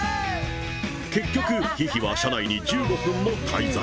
結局、ヒヒは車内に１５分も滞在。